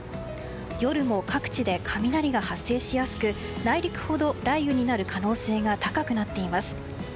夜も各地で雷が発生しやすく内陸ほど雷雨になる可能性が高くなっています。